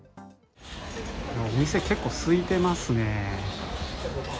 お店、結構すいていますね。